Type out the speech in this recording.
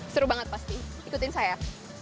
seru banget pasti ikutin saya